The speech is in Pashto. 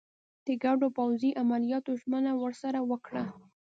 د ګډو پوځي عملیاتو ژمنه ورسره وکړه.